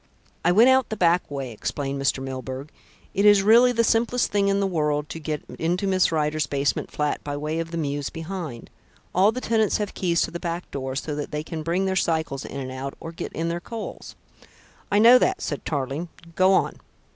"I went out the back way," explained Mr. Milburgh. "It is really the simplest thing in the world to get into Miss Rider's basement flat by way of the mews behind. All the tenants have keys to the back door so that they can bring their cycles in and out, or get in their coals." "I know that," said Tarling. "Go on."